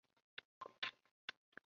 有时也会用猪或羊的睾丸代替。